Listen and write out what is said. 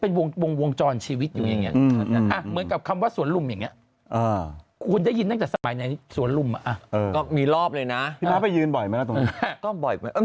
ก็บ่อยไปไปออกกำลังกายวิ่ง